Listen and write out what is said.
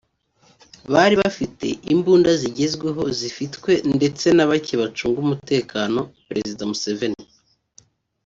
bari bafite imbunda zigezweho zifitwe ndetse na bake bacunga umutekano Perezida Museveni